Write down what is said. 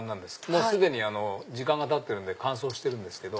もう既に時間がたってるんで乾燥してるんですけど。